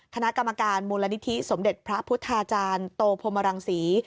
คณะกรรมการมูลนิธิสมเด็จพระพุทธาจารย์โตพรมรังศรี